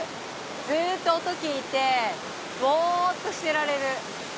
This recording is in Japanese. ずっと音聞いてぼっとしてられる。